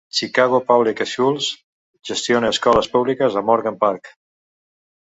Chicago Public Schools gestiona escoles públiques a Morgan Park.